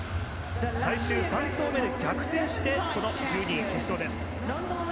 最終３投目で逆転してこの決勝です。